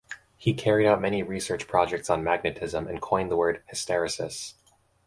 He carried out many research projects on magnetism and coined the word 'hysteresis'.